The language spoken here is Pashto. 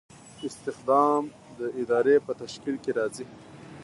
استخدام د ادارې په تشکیل کې راځي.